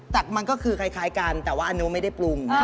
แต่มันก็คือคล้ายกันแต่ว่าอนุไม่ได้ปรุง